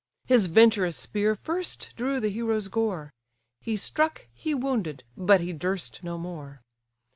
His venturous spear first drew the hero's gore; He struck, he wounded, but he durst no more.